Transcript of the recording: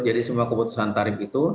jadi semua keputusan tarif itu